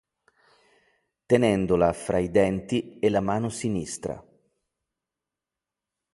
Tenendola fra i denti e la mano sinistra.